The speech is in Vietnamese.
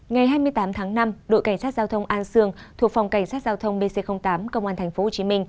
ngày hai mươi tám tháng năm đội cảnh sát giao thông an sương thuộc phòng cảnh sát giao thông bc tám công an tp hcm